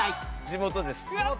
地元です。